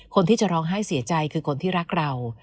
คนที่จะร้องไห้เสียใจคือคนที่รักเรา